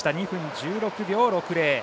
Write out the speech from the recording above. ２分１６秒６０。